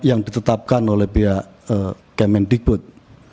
yang ditetapkan oleh pihak kemendikbud